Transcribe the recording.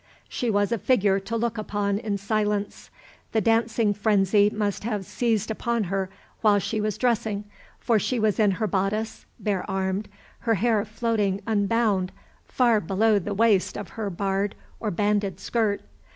She was a figure to look upon in silence. The dancing frenzy must have seized upon her while she was dressing; for she was in her bodice, bare armed, her hair floating unbound far below the waist of her barred or banded skirt.